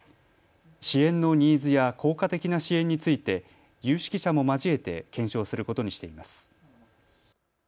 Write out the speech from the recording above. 支援のニーズや効果的な支援について有識者も交えて検証することにしています。